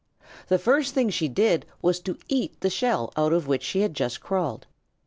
The first thing she did was to eat the shell out of which she had just crawled.